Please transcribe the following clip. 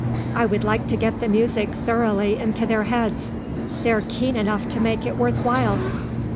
I would like to get the music thoroughly into their heads; they're keen enough to make it worth while."